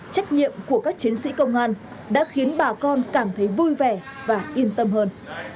trách nhiệm của các chiến sĩ công an đã khiến bà con cảm thấy vui vẻ và yên tâm hơn